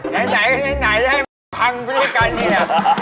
ไหนไหนไหนให้มันพังไปด้วยกันเนี่ย